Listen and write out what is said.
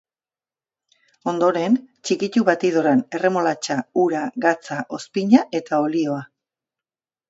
Ondoren, txikitu batidoran erremolatxa, ura, gatza, ozpina eta olioa.